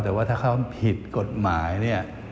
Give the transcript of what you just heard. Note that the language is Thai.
แต่ว่าถ้าเขาผิดกฎหมาย